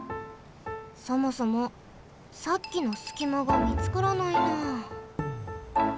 そもそもさっきのすきまがみつからないな。